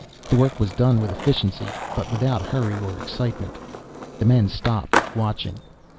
The work was done with efficiency, but without hurry or excitement. The men stopped, watching.